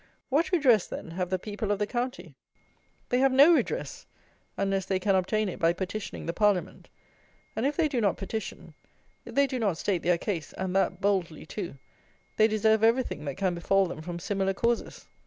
What redress, then, have the people of the county? They have no redress, unless they can obtain it by petitioning the Parliament; and if they do not petition, if they do not state their case, and that boldly too, they deserve everything that can befall them from similar causes.